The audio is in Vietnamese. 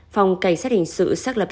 phòng cảnh sát hình sự xác lập